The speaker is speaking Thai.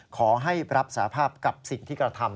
ขอให้รับสาภาพกับสิ่งที่กระทำ